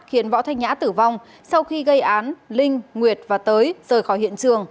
khiến võ thanh nhã tử vong sau khi gây án linh nguyệt và tới rời khỏi hiện trường